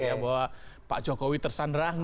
bahwa pak jokowi tersandarang